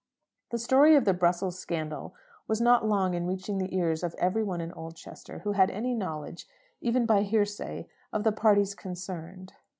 The story of the Brussels scandal was not long in reaching the ears of every one in Oldchester who had any knowledge, even by hearsay, of the parties concerned.